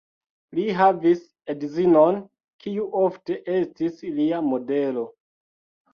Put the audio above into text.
Li havis edzinon, kiu ofte estis lia modelo.